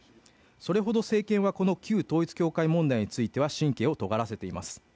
それほど政権はこの旧統一教会問題については神経をとがらせています。